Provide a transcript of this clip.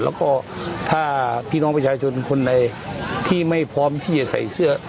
แล้วก็ถ้าพี่น้องประชาชนคนใดที่ไม่พร้อมที่จะใส่เสื้อ